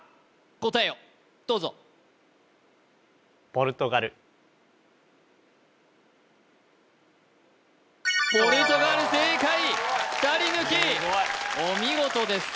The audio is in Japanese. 答えをどうぞポルトガル正解２人抜きお見事です・